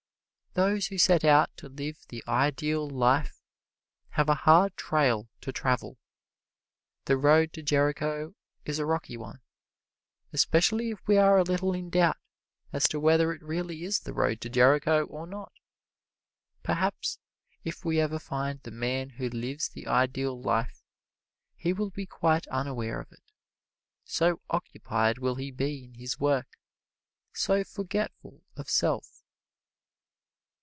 Those who set out to live the Ideal Life have a hard trail to travel. The road to Jericho is a rocky one especially if we are a little in doubt as to whether it really is the road to Jericho or not. Perhaps if we ever find the man who lives the Ideal Life he will be quite unaware of it, so occupied will he be in his work so forgetful of self.